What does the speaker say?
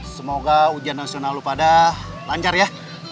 semoga ujian nasional lu pada lancar ya